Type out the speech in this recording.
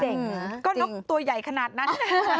เด็กก็นกตัวใหญ่ขนาดนั้น